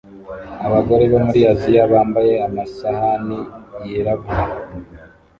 Abagore bo muri Aziya bambaye amasahani yirabura